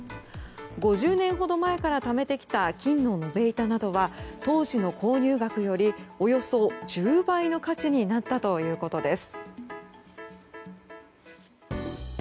５０年ほど前からためてきた金の延べ板などは当時の購入額よりおよそ１０倍の価値になったということです。